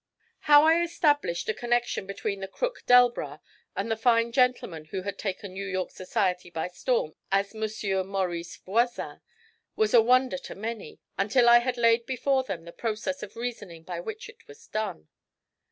How I first established a connection between the crook Delbras and the fine gentleman who had taken New York society by storm as Monsieur Maurice Voisin was a wonder to many, until I had laid before them the process of reasoning by which it was done.